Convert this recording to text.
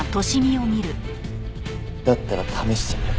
だったら試してみるか。